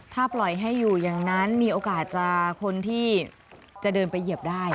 ถ้าปล่อยให้อยู่อย่างนั้นมีโอกาสจะคนที่จะเดินไปเหยียบได้